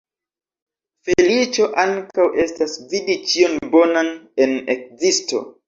Feliĉo ankaŭ estas vidi ĉion bonan en ekzisto.